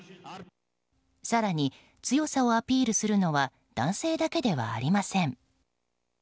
更に強さをアピールするのは男性だけではありません。